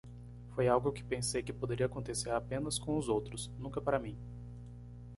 Foi algo que pensei que poderia acontecer apenas com os outros? nunca para mim.